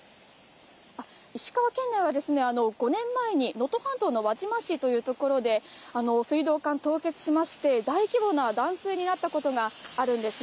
石川県内は、５年前に能登半島の輪島市という所で水道管凍結しまして、大規模な断水になったことがあるんですね。